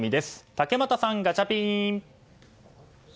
竹俣さん、ガチャピン！